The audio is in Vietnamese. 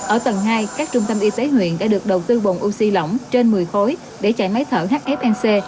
ở tầng hai các trung tâm y tế huyện đã được đầu tư bồn oxy lỏng trên một mươi khối để chạy máy thở hfnc